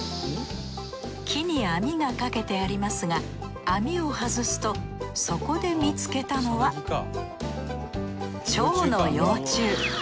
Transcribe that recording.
木に網がかけてありますが網を外すとそこで見つけたのは蝶の幼虫。